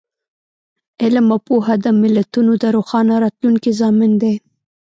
علم او پوهه د ملتونو د روښانه راتلونکي ضامن دی.